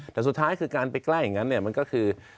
แต่สุดท้ายคือการไปใกล้อย่างนั้นมันก็คือ